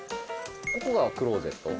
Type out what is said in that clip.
ここがクローゼット？